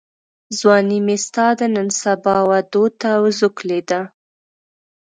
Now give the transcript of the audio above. ځواني مي ستا د نن سبا وعدو ته وزوکلېده